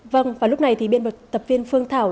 vâng và lúc này thì biên tập viên phương thảo